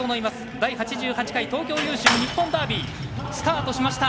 第８８回東京優駿、日本ダービースタートしました。